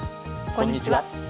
こんにちは。